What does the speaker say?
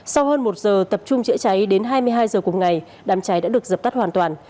sau hơn một giờ tập trung chữa cháy đến hai mươi hai h cùng ngày đám cháy đã được dập tắt hoàn toàn